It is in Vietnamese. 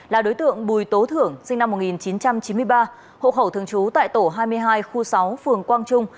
là đối tượng bùi tố thưởng sinh năm một nghìn chín trăm chín mươi ba hộ khẩu thường trú tại tổ hai mươi hai khu sáu phường quang trung